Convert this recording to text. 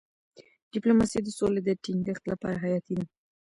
ډيپلوماسي د سولې د ټینګښت لپاره حیاتي ده.